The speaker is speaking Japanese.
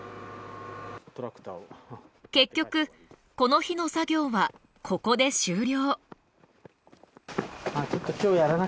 結局この日の作業はここで終了。